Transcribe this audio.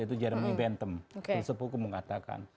itu jeremy bentham sepuhku mengatakan